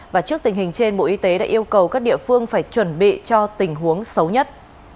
và trước tình hình trên bộ y tế đã yêu cầu các địa phương phải chuẩn bị cho tình huống xấu nhất